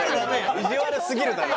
意地悪すぎるだろ。